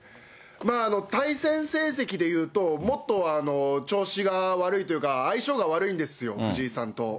対戦成績でいうと、もっと調子が悪いというか、相性が悪いんですよ、藤井さんと。